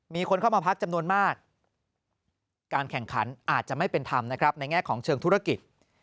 มีคนเข้ามาพักจำนวนมากการแข่งขันอาจจะไม่เป็นธรรมนะครับในแง่ของเชิงธุรกิจ